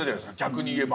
逆に言えば。